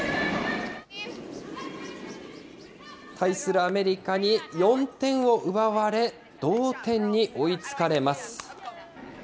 対するアメリカに４点を奪われ、同点に追いつかれます。